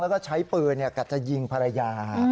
แล้วก็ใช้ปืนกัดจะยิงภรรยา